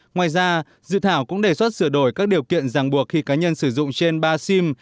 ngoài ra dự thảo cũng đề xuất sửa đổi các điều kiện ràng buộc khi cá nhân sử dụng trên ba sim